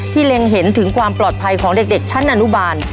เล็งเห็นถึงความปลอดภัยของเด็กชั้นอนุบาล